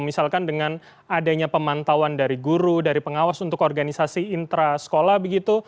misalkan dengan adanya pemantauan dari guru dari pengawas untuk organisasi intra sekolah begitu